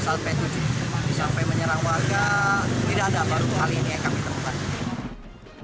sampai tujuh sampai menyerang warga tidak ada baru kali ini yang kami temukan